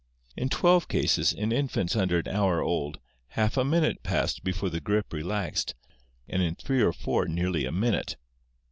In twelve cases, in infants under an hour old, half a minute passed before the grip relaxed, and in three or four nearly a minute.